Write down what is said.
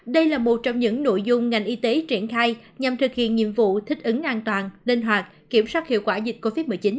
đây là một trong những nội dung ngành y tế triển khai nhằm thực hiện nhiệm vụ thích ứng an toàn linh hoạt kiểm soát hiệu quả dịch covid một mươi chín